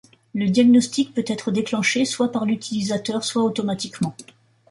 Le diagnostic peut être déclenché soit par l'utilisateur soit automatiquement.